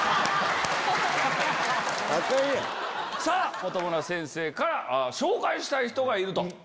本村先生から紹介したい人がいると。